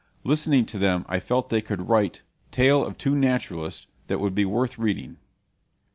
Listening to them I felt that they could write "Tales of Two Naturalists" that would be worth reading.